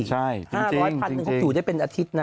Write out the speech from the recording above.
ใช่๕๐๐พันหนึ่งเขาอยู่ได้เป็นอาทิตย์นะ